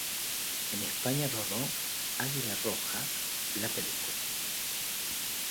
En España rodó "Águila Roja, la película".